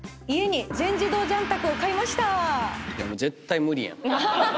絶対無理やん。